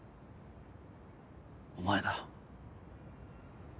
お前だ。